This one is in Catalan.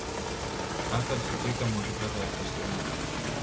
Ha estat subjecta a múltiples adaptacions.